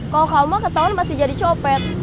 kalau kamu ketahuan masih jadi copet